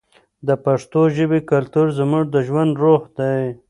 د پښتو ژبې کلتور زموږ د ژوند روح دی.